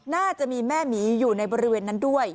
น่าจะมีแม่หมีอยู่ในบริเวณนั้นด้วย